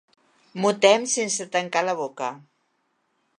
Mutem sense tancar la boca.